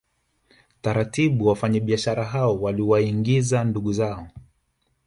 Taratibu wafanyabiashara hao waliwaingiza ndugu zao